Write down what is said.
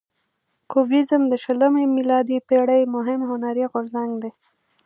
کوبیزم د شلمې میلادي پیړۍ مهم هنري غورځنګ دی.